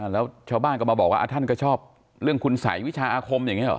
แล้วชาวบ้านก็มาบอกว่าท่านก็ชอบเรื่องคุณสัยวิชาอาคมอย่างนี้หรอ